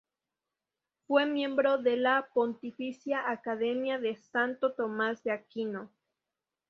Fue miembro de la Pontificia Academia de Santo Tomás de Aquino.